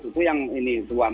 itu yang ini dua